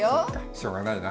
しょうがないな。